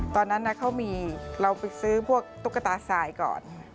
ตอนนั้นเขามีเราไปซื้อพวกตุ๊กตาสายก่อน